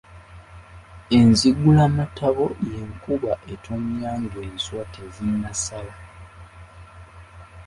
Enzigula mattabo y’enkuba etonnya ng’enswa tezinnasala.